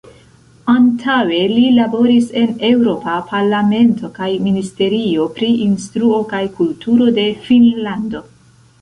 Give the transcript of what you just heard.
Antaŭe li laboris en Eŭropa Parlamento kaj ministerio pri instruo kaj kulturo de Finnlando.